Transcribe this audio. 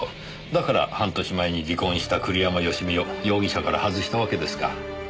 だから半年前に離婚した栗山佳美を容疑者から外したわけですか。